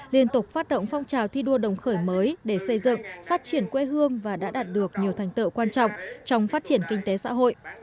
liên tục phát động phong trào thi đua đồng khởi mới để xây dựng phát triển quê hương và đã đạt được nhiều thành tựu quan trọng trong phát triển kinh tế xã hội